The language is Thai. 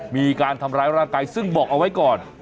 มีการทำร้ายร่างกายซึ่งบอกเอาไว้ก่อน